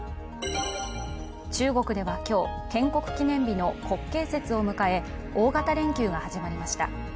中国では今日、建国記念日の国慶節を迎え大型連休が始まりました。